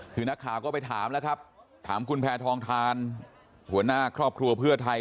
คือนักข่าวก็ไปถามแล้วครับถามคุณแพทองทานหัวหน้าครอบครัวเพื่อไทย